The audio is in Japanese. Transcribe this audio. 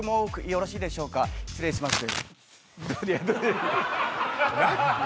よろしいでしょうか失礼します